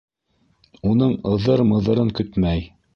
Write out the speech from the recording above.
Уның ыҙыр-мыҙырын көтмәй.